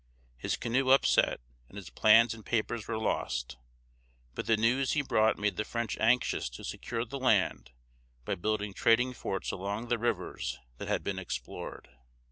His canoe upset, and his plans and papers were lost, but the news he brought made the French anxious to secure the land by building trading forts along the rivers that had been explored.